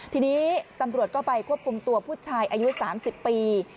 ทีนี้ตำรวจก็ไปควบคุมตัวผู้ชายอายุ๓๐ปี